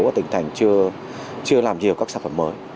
ở tỉnh thành chưa làm nhiều các sản phẩm mới